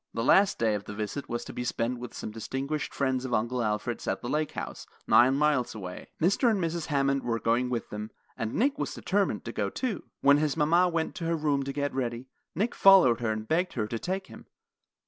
The last day of the visit was to be spent with some distinguished friends of Uncle Alfred's at the Lake House, nine miles away. Mr. and Mrs. Hammond were going with them, and Nick was determined to go, too. When his mama went to her room to get ready, Nick followed her and begged her to take him.